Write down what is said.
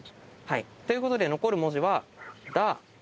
ということで残る文字は「だ」